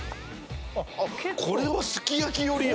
あっこれはすき焼き寄りや。